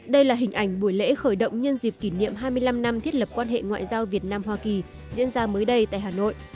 đây là hình ảnh buổi lễ khởi động nhân dịp kỷ niệm hai mươi năm năm thiết lập quan hệ ngoại giao việt nam hoa kỳ diễn ra mới đây tại hà nội